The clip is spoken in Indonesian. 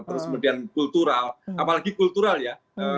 terus kemudian kultural apalagi kultural ya